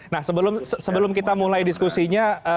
nah sebelum kita mulai diskusinya